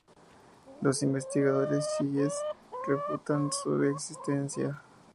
Los investigadores chiíes refutan su existencia.